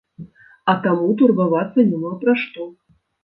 А таму турбавацца няма пра што.